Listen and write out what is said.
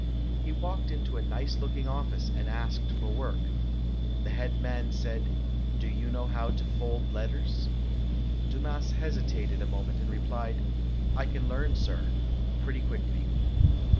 He walked into a nice looking office and asked for work. The head man said, "Do you know how to fold letters?" Dumas hesitated a moment and replied, "I can learn, sir, pretty quickly".